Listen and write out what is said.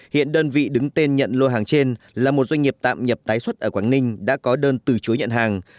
hiện đơn vị đứng tên nhận lô hàng trên là một doanh nghiệp tạm nhập tái xuất ở quảng ninh đã có đơn từ chối nhận hàng